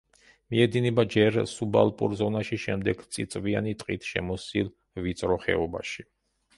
მიედინება ჯერ სუბალპურ ზონაში, შემდეგ წიწვიანი ტყით შემოსილ ვიწრო ხეობაში.